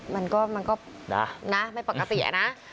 มันก็มันก็นะไม่ปกตินะ